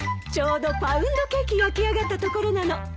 ちょうどパウンドケーキ焼き上がったところなの。